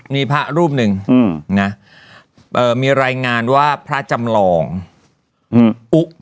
มีพระรูปนึงอืมน่ะเอ่อมีรายงานว่าพระจำหลองอุ๊ก